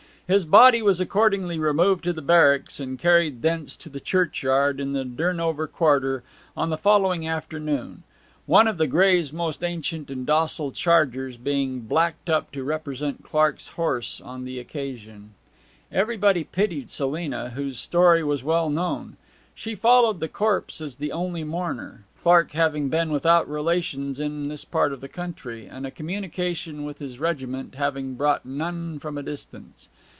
His body was accordingly removed to the barracks, and carried thence to the churchyard in the Durnover quarter on the following afternoon, one of the Greys' most ancient and docile chargers being blacked up to represent Clark's horse on the occasion. Everybody pitied Selina, whose story was well known. She followed the corpse as the only mourner, Clark having been without relations in this part of the country, and a communication with his regiment having brought none from a distance.